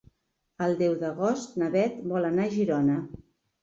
El deu d'agost na Beth vol anar a Girona.